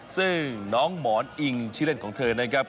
ซึ่งน้องหมอนอิงชื่อเล่นของเธอนะครับ